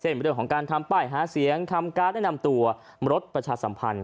เส้นประโดยของการทำไปหาเสียงคำการแนะนำตัวลดประชาสัมพันธ์